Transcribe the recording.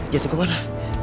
dia tuh kemana